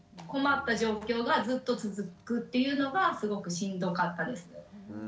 困った状況がずっと続くというのがすごくしんどかったですね。